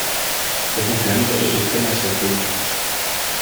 El funcionamiento del sistema es sencillo.